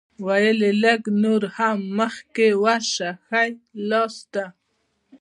ویل یې لږ نور هم مخکې ورشه ښی لاسته.